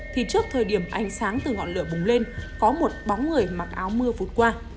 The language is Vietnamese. thì trước thời điểm ánh sáng từ ngọn lửa bùng lên có một bóng người mặc áo mưa phụn qua